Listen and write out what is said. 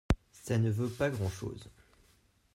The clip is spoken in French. Ça ne vaut pas grand-chose.